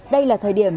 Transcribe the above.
đây là thời điểm